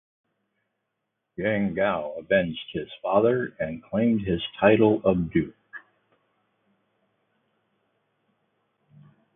Yang Guo avenged his father and claimed his title of duke.